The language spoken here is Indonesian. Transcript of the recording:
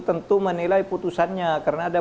tentu menilai putusannya karena ada